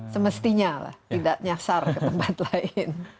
semestinya lah tidak nyasar ke tempat lain